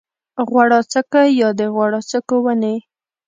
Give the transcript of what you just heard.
غوړاڅکی یا د غوړاڅکو ونې